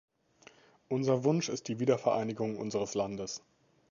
Unser Wunsch ist die Wiedervereinigung unseres Landes.